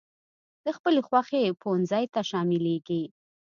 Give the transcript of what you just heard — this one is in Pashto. د خپلې خوښي پونځي ته شاملېږي.